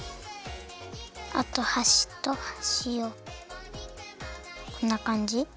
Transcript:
あとはしとはしをこんなかんじかな？